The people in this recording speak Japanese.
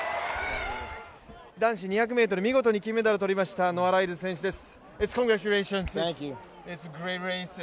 男子２００ｍ見事に金メダル取りました、ノア・ライルズ選手です。